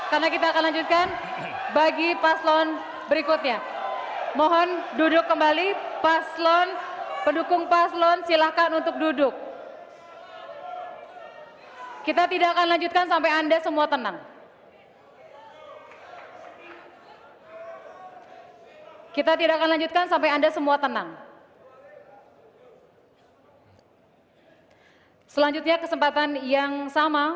selanjutnya kesempatan yang sama